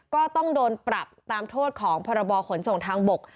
ก็ต้องโดนปรับตามโทษของพรบขนส่งทางบก